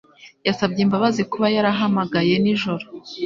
yasabye imbabazi kuba yarahamagaye nijoro